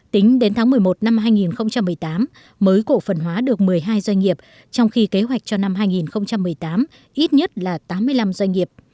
tính đến tháng một mươi một năm hai nghìn một mươi tám mới cổ phần hóa được một mươi hai doanh nghiệp trong khi kế hoạch cho năm hai nghìn một mươi tám ít nhất là tám mươi năm doanh nghiệp